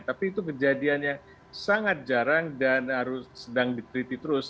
tapi itu kejadiannya sangat jarang dan harus sedang ditreat terus